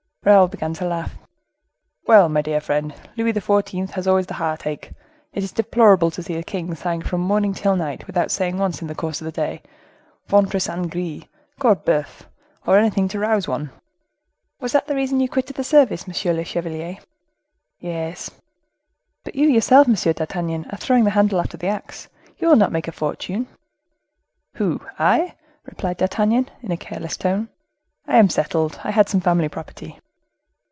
Raoul began to laugh. "Well, my dear friend, Louis XIV. always has the heart ache; it is deplorable to see a king sighing from morning till night without saying once in the course of the day, ventre saint gris! corboef! or anything to rouse one." "Was that the reason why you quitted the service, monsieur le chevalier?" "Yes." "But you yourself, M. d'Artagnan, are throwing the handle after the axe; you will not make a fortune." "Who? I?" replied D'Artagnan, in a careless tone; "I am settled—I had some family property."